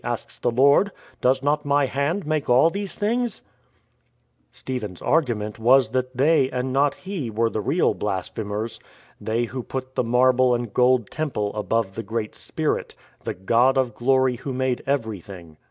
asks the Lord: Does not my hand make all these things ?" Stephen's argument was that they and not he were the real blasphemers — they who put the marble and gold Temple above the great Spirit, " the God of Glory," Who made everything.